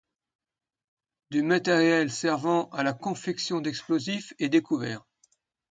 Du matériel servant à la confection d'explosifs est découvert.